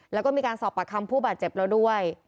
แล้วก็มีการสอบปากคำผู้บาดเจ็บแล้วด้วย